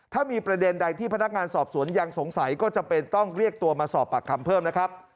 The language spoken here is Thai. ถ้ามีประเด็นใดที่พนักงานสอบสวนยังสงสัยก็จำเป็นต้องเรียกตัวมาสอบปากคำเพิ่มนะครับ